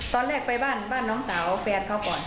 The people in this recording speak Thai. ตอนแรกไปบ้านบ้านน้องสาวแฟนเขาก่อน